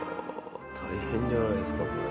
大変じゃないですかこれ。